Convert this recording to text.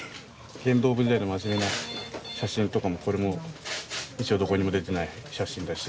剣道部時代の真面目な写真とかもこれも一応どこにも出てない写真だし。